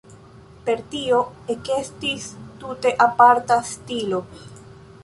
Per tio ekestis tute aparta stilo.